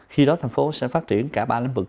khi đó thành phố sẽ phát triển cả ba lĩnh vực